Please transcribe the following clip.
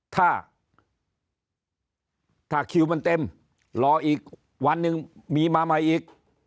ถ้าถ้าคิวมันเต็มรออีกวันหนึ่งมีมาใหม่อีก